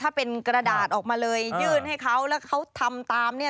ถ้าเป็นกระดาษออกมาเลยยื่นให้เขาแล้วเขาทำตามเนี่ย